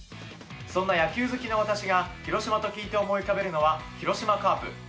そんな野球好きの私が広島と聞いて思い浮かべるのは広島カープ。